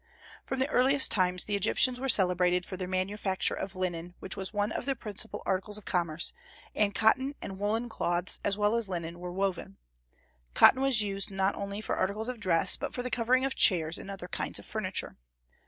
From the earliest times the Egyptians were celebrated for their manufacture of linen, which was one of the principal articles of commerce; and cotton and woollen cloths as well as linen were woven. Cotton was used not only for articles of dress, but for the covering of chairs and other kinds of furniture.